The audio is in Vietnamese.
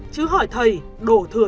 chứ hỏi thầy đổ thừa